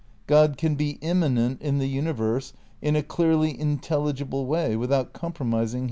Grod can be immanent in the universe in a clearly in telligible way, without compromising his deity.